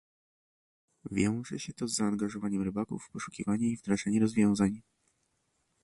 Wiąże się to z zaangażowaniem rybaków w poszukiwanie i wdrażanie rozwiązań